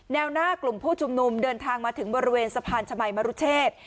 แนวหน้ากลุ่มผู้ชุมนุมเดินทางมาถึงบริเวณสะพานชมัยมรุเชษ